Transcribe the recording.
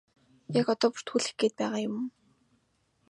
Яг одоо бүртгүүлэх гээд байгаа юм уу?